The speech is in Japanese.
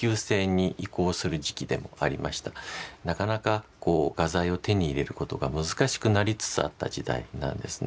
なかなかこう画材を手に入れることが難しくなりつつあった時代なんですね。